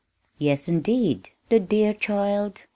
"Yes, indeed, the dear child!"